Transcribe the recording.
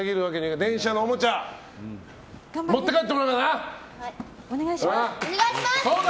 電車のおもちゃ持って帰ってもらおうな！